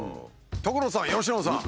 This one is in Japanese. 所さん佳乃さん。